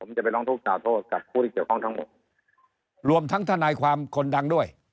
ผมจะไปร้องทุกข่าโทษกับผู้ที่เกี่ยวข้องทั้งหมดรวมทั้งทนายความคนดังด้วย